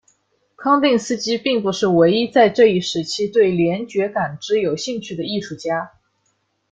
康定斯基并不是唯一在这一时期对联觉感知有兴趣的艺术家。